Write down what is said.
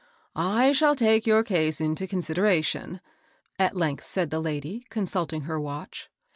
*' I shall take your case into consideration," at length said the lady, consulting her watch.